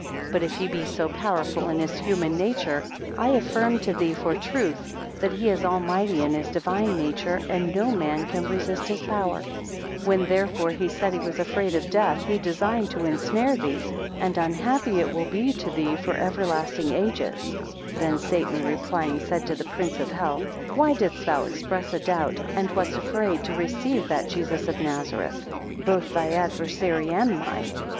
6 But if he be so powerful in his human nature, I affirm to thee for truth, that he is almighty in his divine nature, and no man can resist his power: 7 When therefore he said he was afraid of death, he designed to ensnare thee, and unhappy it will be to thee for everlasting ages, 8 Then Satan replying, said to the prince of hell, Why didst thou express a doubt, and wast afraid to receive that Jesus of Nazareth, both thy adversary and mine?